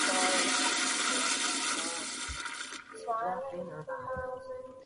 乌兹别克族是由粟特人和突厥人溶合而成。